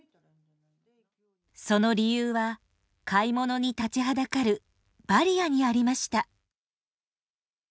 その理由は買い物に立ちはだかるバリアにありました。